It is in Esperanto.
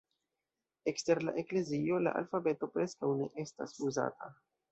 Ekster la eklezio la alfabeto preskaŭ ne estas uzata.